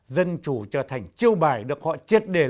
dân chủ trở thành chiêu bài được họ triệt để lợi dụng để gieo rắc